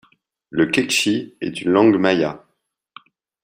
Le q'eqchi' est une langue maya.